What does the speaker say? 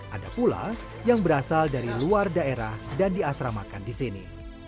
ada pula yang berasal dari luar daerah dan diasramakan di sini